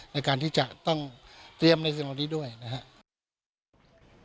ในการที่จะต้องเตรียมในสิ่งเหล่านี้ด้วยนะครับ